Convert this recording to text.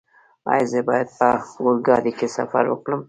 ایا زه باید په اورګاډي کې سفر وکړم؟